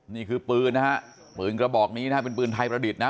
นี่คือปืนนะฮะปืนกระบอกนี้นะฮะเป็นปืนไทยประดิษฐ์นะ